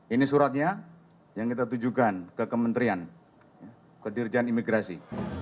ini suratnya yang kita tujukan ke kementerian kedirjan imigrasi